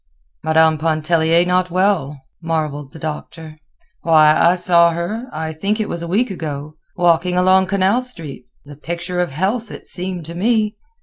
"Madame Pontellier not well," marveled the Doctor. "Why, I saw her—I think it was a week ago—walking along Canal Street, the picture of health, it seemed to me."